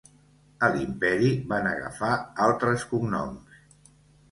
A l'imperi van agafar altres cognoms.